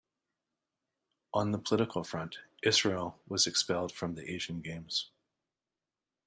On the political front, Israel was expelled from the Asian Games.